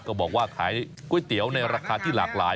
บอกว่าขายก๋วยเตี๋ยวในราคาที่หลากหลาย